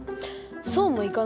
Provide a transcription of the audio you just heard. そうもいかないの。